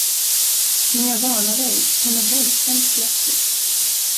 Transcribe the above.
Men jag varnar dig, hon är våldsamt flörtig.